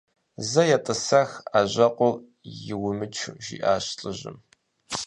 «Зэ етӏысэх, ӏэжьэкъур йумычу», жиӏащ лӏыжьым.